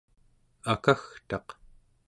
akagtaq